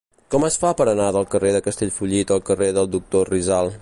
Com es fa per anar del carrer de Castellfollit al carrer del Doctor Rizal?